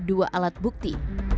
dua alat bukti